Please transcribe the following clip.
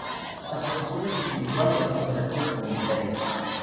La producción es individual o en cooperativas comunitarias.